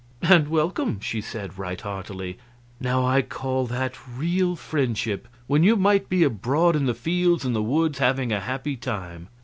"And welcome!" she said, right heartily. "Now I call that real friendship, when you might be abroad in the fields and the woods, having a happy time.